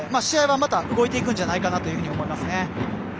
試合はまた動いていくんじゃないかと思いますね。